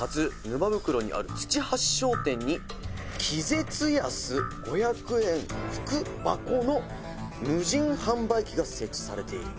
沼袋にある土橋商店に気絶安５００円福箱の無人販売機が設置されている」